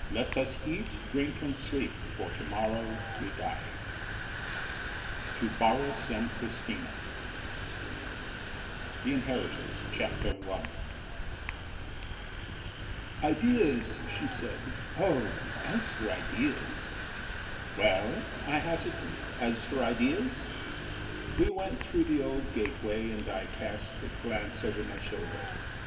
The Trow Printing Company New York To BORYS & CHRISTINA THE INHERITORS CHAPTER ONE "Ideas," she said. "Oh, as for ideas " "Well?" I hazarded, "as for ideas ?" We went through the old gateway and I cast a glance over my shoulder.